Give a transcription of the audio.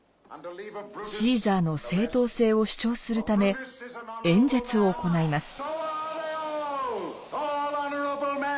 シーザーの正当性を主張するため演説を行います。